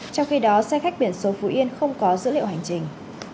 trong khi đó xe khách biển số phú yên không có dữ liệu hành trình